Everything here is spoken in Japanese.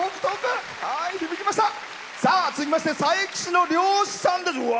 続きまして佐伯市の漁師さんです。